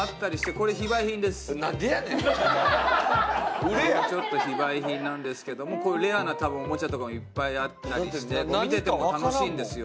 これはちょっと非売品なんですけどもこういうレアなおもちゃとかもいっぱいあったりして見てても楽しいんですよ。